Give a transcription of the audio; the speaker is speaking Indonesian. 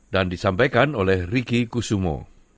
dan disampaikan oleh riki kusumo